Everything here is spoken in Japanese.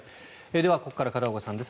では、ここから片岡さんです。